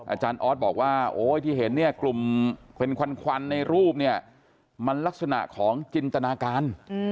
อาจารย์ออสบอกว่าโอ๊ยที่เห็นเนี่ยกลุ่มเป็นควันในรูปเนี่ยมันลักษณะของจินตนาการ